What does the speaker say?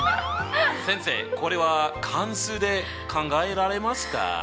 先生これは関数で考えられますか？